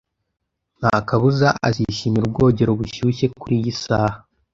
Nta kabuza azishimira ubwogero bushyushye kuriyi saha